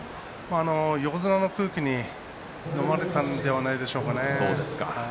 横綱の空気にのまれたんではないでしょうかね。